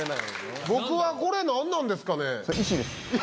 僕はこれ何なんですかね？